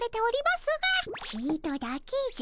ちとだけじゃ。